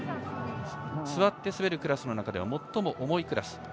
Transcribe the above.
座って滑るクラスの中では最も重いクラス。